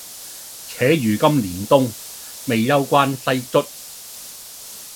且如今年冬，未休關西卒。